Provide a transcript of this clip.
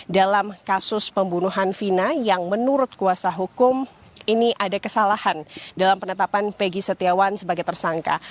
dalam kasus pembunuhan vina yang menurut kuasa hukum ini ada kesalahan dalam penetapan pegi setiawan sebagai tersangka